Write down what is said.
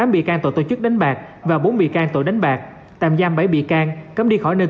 tám bị can tội tổ chức đánh bạc và bốn bị can tội đánh bạc tạm giam bảy bị can cấm đi khỏi nơi